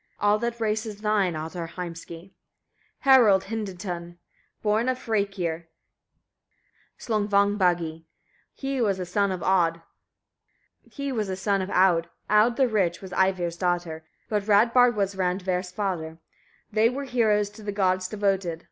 All that race is thine, Ottar Heimski! 28. Harald Hildetonn, born of Hrærekir Slongvanbaugi; he was a son of Aud, Aud the rich was Ivar's daughter; but Radbard was Randver's father. They were heroes to the gods devoted.